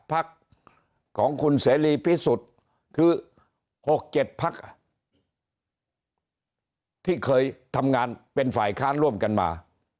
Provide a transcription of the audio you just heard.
พักของคุณเสรีพิสุทธิ์คือ๖๗พักที่เคยทำงานเป็นฝ่ายค้านร่วมกันมา